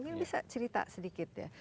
ini bisa cerita sedikit ya